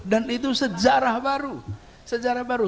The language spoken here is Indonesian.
dan itu sejarah baru